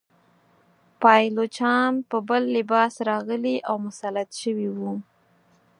پایلوچان په بل لباس راغلي او مسلط شوي وه.